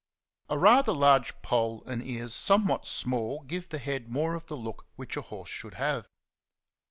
A rather large poll '^ and ears somewhat small give the head more of the look which a horse should have.